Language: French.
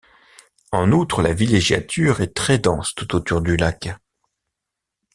En outre, la villégiature est très dense tout autour du lac.